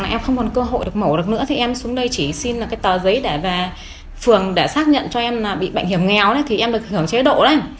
em không còn cơ hội được mẫu được nữa em xuống đây chỉ xin tờ giấy để phường xác nhận cho em bị bệnh hiểm nghèo em được hưởng chế độ